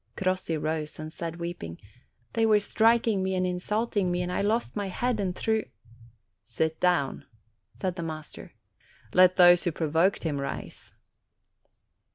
Crossi rose and said, weeping, "They were striking MY SCHOOLMISTRESS 13 me and insulting me, and I lost my head, and threw "Sit down," said the master. "Let those who pro voked him rise."